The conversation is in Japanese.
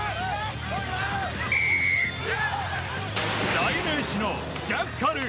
代名詞のジャッカル。